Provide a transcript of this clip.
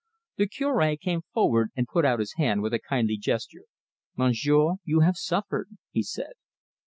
The Cure came forward and put out his hand with a kindly gesture. "Monsieur, you have suffered," he said.